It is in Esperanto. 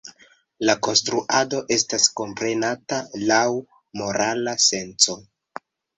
La konstruado estas komprenata laŭ morala senco.